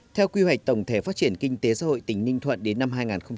theo quy hoạch tổng thể phát triển kinh tế xã hội tỉnh ninh thuận đến năm hai nghìn ba mươi